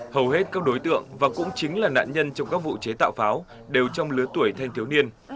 hầu hết các đối tượng và cũng chính là nạn nhân trong các vụ chế tạo pháo đều trong lứa tuổi thanh thiếu niên